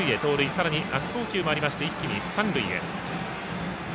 さらに悪送球もありまして一気に三塁へ。